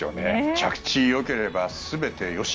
着地よければ全てよし。